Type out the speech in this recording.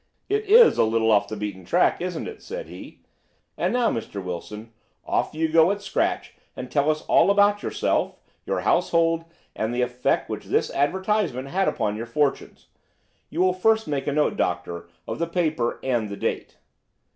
"It is a little off the beaten track, isn't it?" said he. "And now, Mr. Wilson, off you go at scratch and tell us all about yourself, your household, and the effect which this advertisement had upon your fortunes. You will first make a note, Doctor, of the paper and the date."